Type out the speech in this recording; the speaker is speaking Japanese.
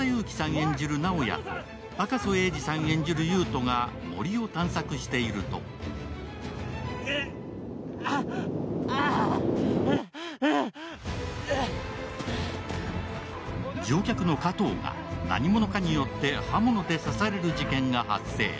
演じる直哉と赤楚衛二さん演じる優斗が森を探索していると乗客の加藤が何者かによって刃物で刺される事件が発生。